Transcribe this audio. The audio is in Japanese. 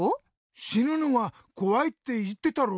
「しぬのはこわい」っていってたろ？